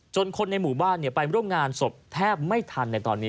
คนในหมู่บ้านไปร่วมงานศพแทบไม่ทันในตอนนี้